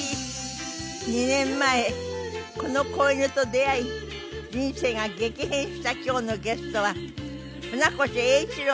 ２年前この子犬と出会い人生が激変した今日のゲストは船越英一郎さんです。